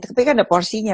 tapi kan ada porsinya